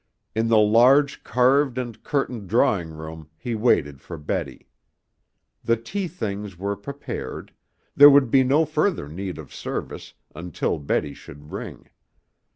In the large carved and curtained drawing room he waited for Betty. The tea things were prepared; there would be no further need of service until Betty should ring.